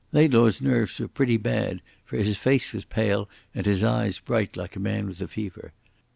Laidlaw's nerves were pretty bad, for his face was pale and his eyes bright like a man with a fever.